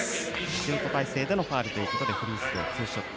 シュート体勢でのファウルということでフリースロー、ツーショット。